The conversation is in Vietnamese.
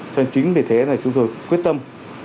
cho nên chính vì thế là chúng tôi quyết tâm